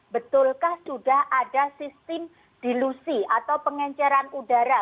betulkah sudah ada sistem dilusi atau pengenceran udara